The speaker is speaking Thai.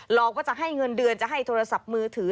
หลอกว่าจะให้เงินเดือนจะให้โทรศัพท์มือถือ